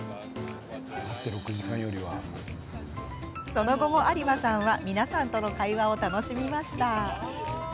そのあとも有馬さんは皆さんとの会話を楽しみました。